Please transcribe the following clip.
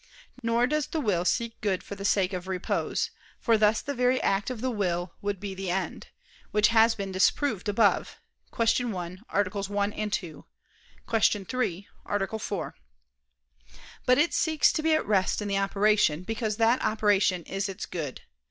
Nor does the will seek good for the sake of repose; for thus the very act of the will would be the end, which has been disproved above (Q. 1, A. 1, ad 2;Q. 3, A. 4): but it seeks to be at rest in the operation, because that operation is its good.